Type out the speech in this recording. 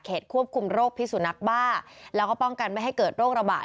ควบคุมโรคพิสุนักบ้าแล้วก็ป้องกันไม่ให้เกิดโรคระบาด